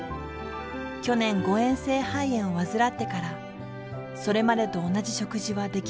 去年誤嚥性肺炎を患ってからそれまでと同じ食事はできなくなっていました。